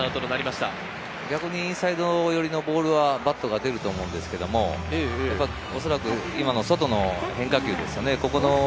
逆にインサイド寄りのボールはバットが出ると思うんですけど、今の外の変化球ですかね。